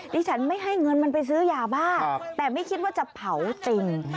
ดิฉันไม่ให้เงินมันไปซื้อยาบ้าแต่ไม่คิดว่าจะเผาจริง